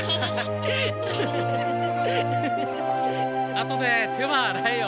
あとで手はあらえよ。